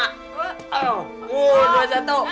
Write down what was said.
aku kok licu juga seluruh gini ya